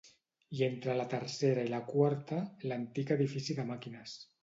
I entre la tercera i la quarta, l'antic edifici de màquines.